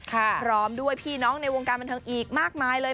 พร้อมด้วยพี่น้องในวงการบันเทิงอีกมากมายเลย